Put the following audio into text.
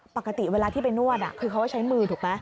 ปกติเวลาที่ไปนวดคือเขาก็ใช้มือถูกไหม